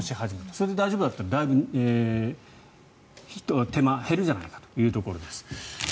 それで大丈夫だったら人の手間、減るじゃないかということです。